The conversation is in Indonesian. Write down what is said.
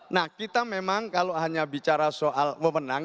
nah kita memang kalau hanya bicara soal memenang